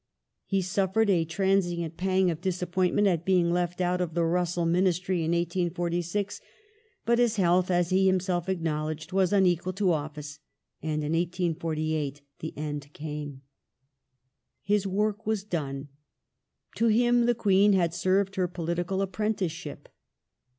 He suffered a transient pang of disappointment at being left out of the Russell Ministry in 1846 ; but his health, as he himself acknowledged, was unequal to office, and in 1848 the end came. His work was done. To him the Queen had served her political apprenticeship.